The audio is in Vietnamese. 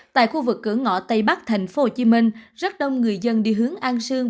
tại khu vực cửa ngõ tây bắc tp hcm rất đông người dân đi hướng an sương